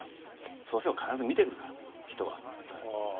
そうすれば必ず見てくれるから人は。